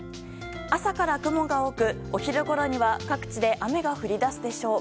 朝から雲が多くお昼ごろでは各地で雨が降り出すでしょう。